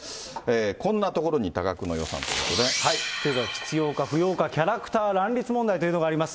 こんなところに多額の予算という必要か不要か、キャラクター乱立問題というのがあります。